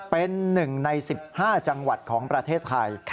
เป็น๑ใน๑๕จังหวัดของประเทศไทย